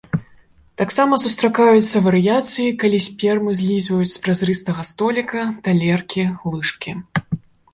Таксама сустракаюцца варыяцыі, калі сперму злізваюць з празрыстага століка, талеркі, лыжкі.